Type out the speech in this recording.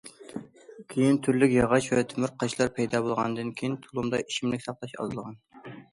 كېيىن تۈرلۈك ياغاچ ۋە تۆمۈر قاچىلار پەيدا بولغاندىن كېيىن، تۇلۇمدا ئىچىملىك ساقلاش ئازلىغان.